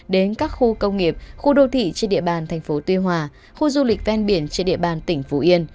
đến các khu công nghiệp khu đô thị trên địa bàn tp tuy hòa khu du lịch ven biển trên địa bàn tp yên